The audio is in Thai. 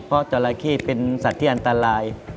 เพราะจราเข้เป็นสัตว์ที่อันตราย